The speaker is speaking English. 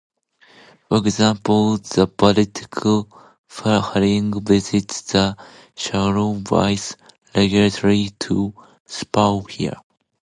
For example, the Baltic Herring visits the shallow bays regularly to spawn here.